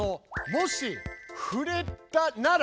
「もし触れたなら」。